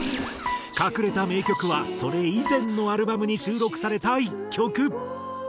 隠れた名曲はそれ以前のアルバムに収録された１曲。